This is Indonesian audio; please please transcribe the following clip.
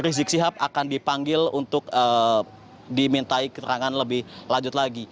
rizik sihab akan dipanggil untuk dimintai keterangan lebih lanjut lagi